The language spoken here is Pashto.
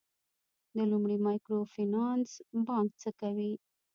د لومړي مایکرو فینانس بانک څه کوي؟